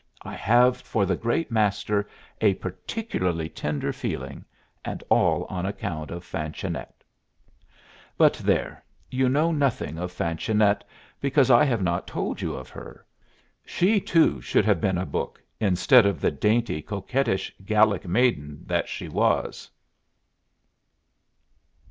I have for the great master a particularly tender feeling, and all on account of Fanchonette. But there you know nothing of Fanchonette, because I have not told you of her. She, too, should have been a book instead of the dainty, coquettish Gallic maiden that she was.